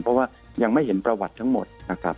เพราะว่ายังไม่เห็นประวัติทั้งหมดนะครับ